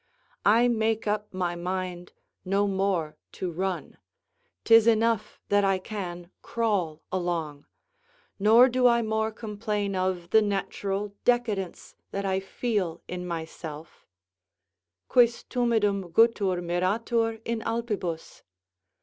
I make up my mind no more to run; 'tis enough that I can crawl along; nor do I more complain of the natural decadence that I feel in myself: "Quis tumidum guttur miratur in Alpibus?"